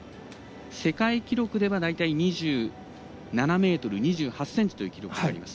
世界記録では大体２７ｍ２８ｃｍという記録があります。